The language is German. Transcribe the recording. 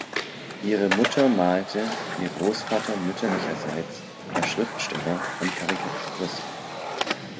Ihre Mutter malte; ihr Großvater mütterlicherseits war Schriftsteller und Karikaturist.